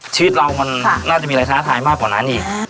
ชีวิตเรามันน่าจะมีอะไรท้าทายมากกว่านั้นอีก